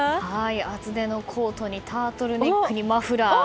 厚手のコートにタートルネックにマフラー。